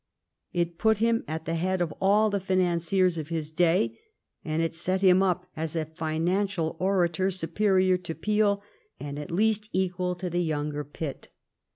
It put him at the head of all the financiers of his day, and it set him up as a financial orator superior to Peel and at least equal to the younger Pitt.